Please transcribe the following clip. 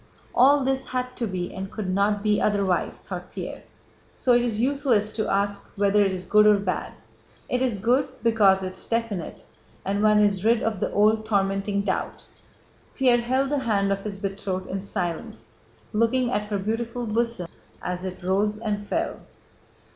"All this had to be and could not be otherwise," thought Pierre, "so it is useless to ask whether it is good or bad. It is good because it's definite and one is rid of the old tormenting doubt." Pierre held the hand of his betrothed in silence, looking at her beautiful bosom as it rose and fell.